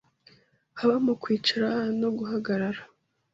haba mu kwicara no guhagarara